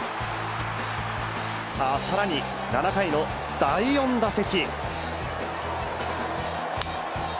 さあ、さらに７回の第４打席。